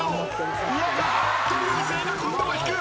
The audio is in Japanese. あっと流星が今度は引く！